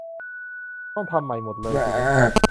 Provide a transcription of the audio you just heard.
ต้องทำใหม่หมดเลยสินะ